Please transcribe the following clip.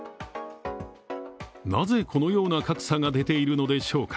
なぜこのような格差が出ているのでしょうか。